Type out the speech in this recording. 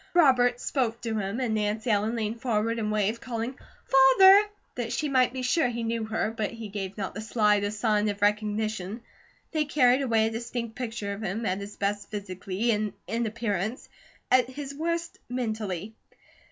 Robert spoke to him, and Nancy Ellen leaned forward and waved, calling "Father," that she might be sure he knew her, but he gave not the slightest sign of recognition. They carried away a distinct picture of him, at his best physically and in appearance; at his worst mentally.